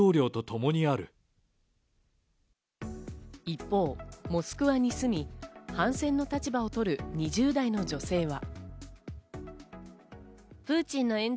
一方、モスクワに住み、反戦の立場を取る２０代の女性は。